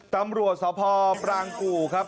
ตำรวจสพปรางกู่ครับ